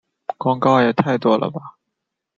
广告也太多了吧